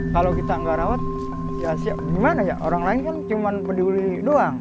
kalau kita nggak rawat ya gimana ya orang lain kan cuma peduli doang